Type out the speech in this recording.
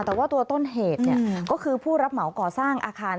แต่ว่าตัวต้นเหตุก็คือผู้รับเหมาก่อสร้างอาคาร